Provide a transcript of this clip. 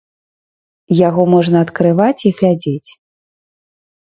Яго можна адкрываць і глядзець.